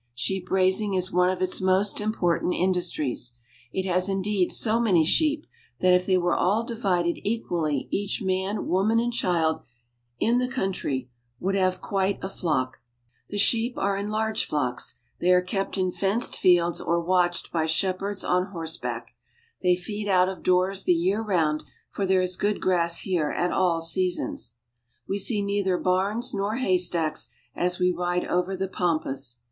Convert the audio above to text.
Sheep raising is one of its most important industries. It has indeed so many sheep that if they were all divided equally each man, woman, and child in the country would have quite LIFE ON THE PAMPAS. 75 "— vast pampas which extend on and on until they lose themselves in the sky." a flock. The sheep are in large flocks. They are kept in fenced fields or watched by shepherds on horseback. They feed out of doors the year round, for there is good grass here at all seasons. We see neither barns nor haystacks as we ride over the pampas.